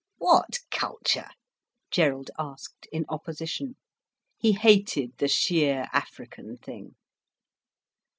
"What culture?" Gerald asked, in opposition. He hated the sheer African thing.